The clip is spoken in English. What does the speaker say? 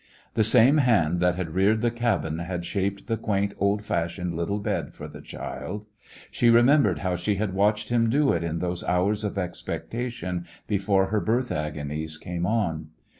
The same hand that had reared the cabin had shaped the quaint, old fashioned little bed for the child. She remembered how she had watched him do it in those horn's of expectation before her birth agonies came on.